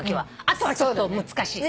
あとはちょっと難しい。